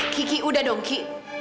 ki ki udah dong ki